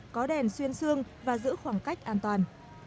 có đèn xuyên xương và giữ khoảng cách an toàn